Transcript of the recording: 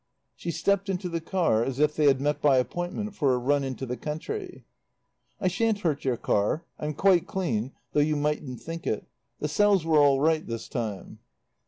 She stepped into the car as if they had met by appointment for a run into the country. "I shan't hurt your car. I'm quite clean, though you mightn't think it. The cells were all right this time."